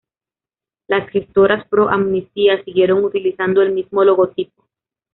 Las Gestoras Pro Amnistía siguieron utilizando el mismo logotipo.